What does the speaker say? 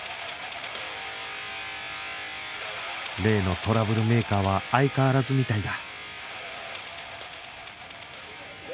例のトラブルメーカーは相変わらずみたいだ